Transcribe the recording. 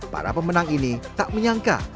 para pemenang ini tak menyangka